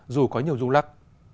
dù có nhiều rung lặp